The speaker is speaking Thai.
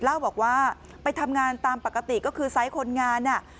เล่าบอกว่าไปทำงานตามปกติก็คือไซส์คนงานน่ะ